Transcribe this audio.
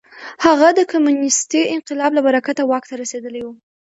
هغه د کمونېستي انقلاب له برکته واک ته رسېدلی و.